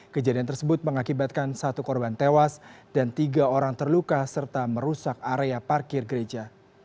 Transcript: kejadian tersebut mengakibatkan satu korban tewas dan tiga orang terluka serta merusak area parkir gereja